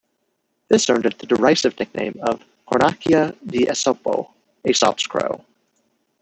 This earned it the derisive nickname of "Cornacchia di Esopo" Aesop's Crow.